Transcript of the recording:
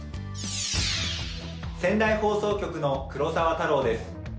仙台放送局の黒澤太朗です。